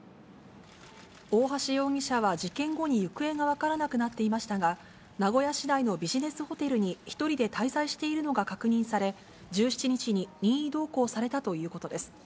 大橋容疑者は事件後に行方が分からなくなっていましたが、名古屋市内のビジネスホテルに１人で滞在しているのが確認され、１７日に任意同行されたということです。